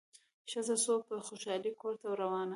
ښځه سوه په خوشالي کورته روانه